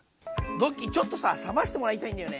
ドッキーちょっとさ冷ましてもらいたいんだよね。